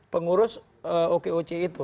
pengurus okoc itu